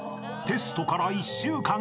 ［テストから１週間後］